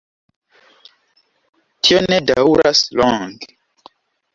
Tio ne daŭras longe.